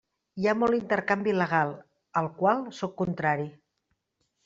Hi ha molt intercanvi il·legal, al qual sóc contrari.